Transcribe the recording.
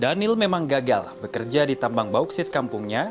daniel memang gagal bekerja di tambang bauksit kampungnya